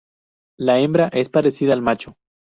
La hembra es parecida al macho.